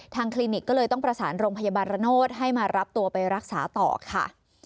คลินิกก็เลยต้องประสานโรงพยาบาลระโนธให้มารับตัวไปรักษาต่อค่ะ